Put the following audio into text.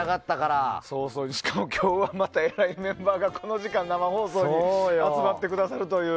しかも今日はまたえらいメンバーがこの時間の生放送に集まってくださるという。